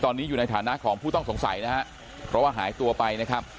ตอนนี้อยู่ในฐานะของผู้ต้องสงสัยนะฮะเพราะว่าหายตัวไปนะครับ